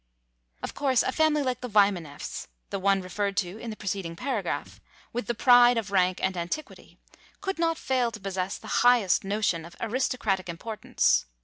Of course a family like the Wymaneffs — the one referred to in the preceding paragraph — with the pride of rank and antiquity, could not fail to pos sess the highe.st notion of aristocratic importance.